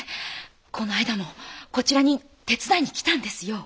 この間もこちらに手伝いに来たんですよ。